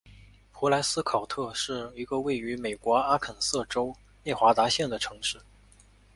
蒲莱斯考特是一个位于美国阿肯色州内华达县的城市。